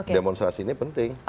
demonstrasi ini penting